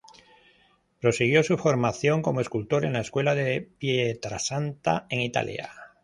Prosiguió su formación como escultor en la escuela de Pietrasanta en Italia.